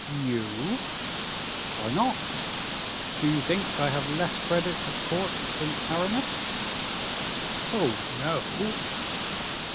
"You?" "Why not? Do you think I have less credit at court than Aramis?" "Oh, no!"